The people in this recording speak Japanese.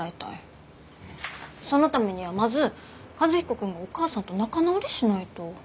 そのためにはまず和彦君がお母さんと仲直りしないと。